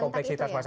selain itu ya